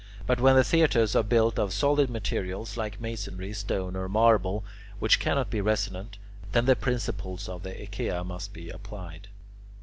But when theatres are built of solid materials like masonry, stone, or marble, which cannot be resonant, then the principles of the "echea" must be applied.